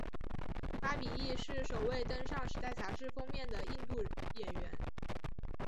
巴比亦是首位登上时代杂志封面的印度演员。